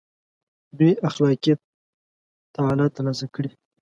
دوی اخلاقي تعالي تر لاسه کړي.